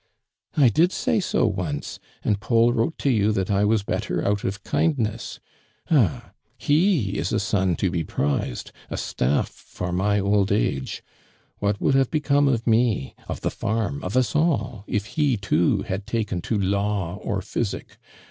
"I did say so once, and Paul wrote to you that I was better, out of kindness. Ah, he is a son to be prizetl, a staff for my old age ! VVhat would have become of me, of the faitn, of us all, if he, too, had taken to law or physic